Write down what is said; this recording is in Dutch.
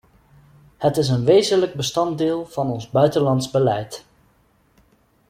Het is een wezenlijk bestanddeel van ons buitenlands beleid.